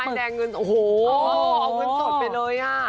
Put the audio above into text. อ๋อเอาเงินสดไปเลยน่ะ